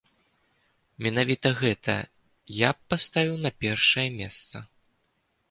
Менавіта гэта я б паставіў на першае месца.